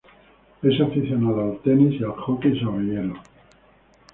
Es aficionado al tenis y al hockey sobre hielo.